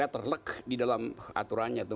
terlek di dalam aturannya